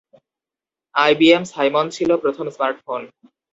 IBM Simon ছিল প্রথম smartphone.